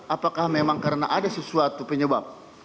apakah memang karena ada sesuatu penyebab